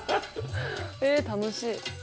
へえ楽しい。